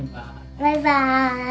バイバーイ。